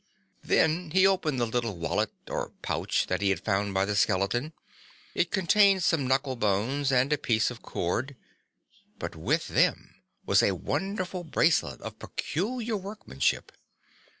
Then he opened the little wallet or pouch that he had found by the skeleton. It contained some knuckle bones and a piece of cord; but with them was a wonderful bracelet of peculiar workmanship.